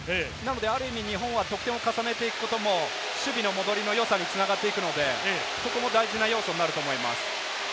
ある意味、日本は得点を重ねていくことも守備の戻りの良さに繋がっていくので、ここも大事な要素になります。